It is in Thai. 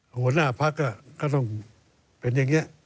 หัวหน้าพักก็ต้องเป็นอย่างนี้